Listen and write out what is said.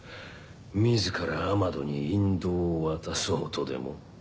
自らアマドに引導を渡そうとでも？